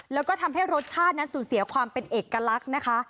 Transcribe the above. แล้วก็ทำให้รสชาตินั้นสูญเสียความเป็นเอกลักษณ์นะคะ